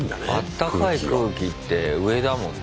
あったかい空気って上だもんね。